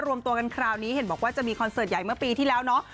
รวมตัวกันคราวนี้เห็นบอกว่าจะมีคอนเสิร์ตใหญ่เมื่อปีที่แล้วเนาะ